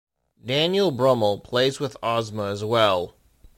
Daniel Brummel plays with Ozma as well.